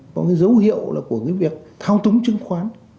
có cái dấu hiệu là của cái việc thao túng chứng khoán